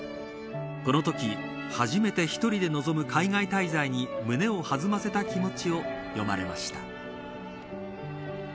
このとき、初めて１人で臨む海外滞在に胸を弾ませた気持ちを詠まれました。